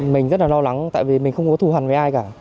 mình rất là lo lắng tại vì mình không có thù hẳn với ai cả